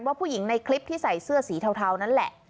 ผู้หญิงในคลิปที่ใส่เสื้อสีเทานั่นแหละ